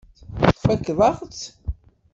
Tfakkeḍ-aɣ-tt.